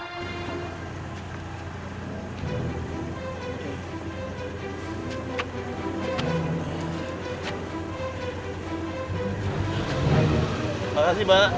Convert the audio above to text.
terima kasih pak